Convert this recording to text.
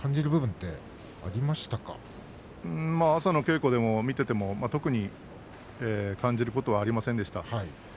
まあ朝の稽古でも見ていても特に感じることはありませんでした。